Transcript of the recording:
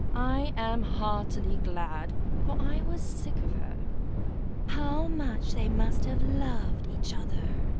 I am heartily glad, for I was sick of her." "How much they must have loved each other!"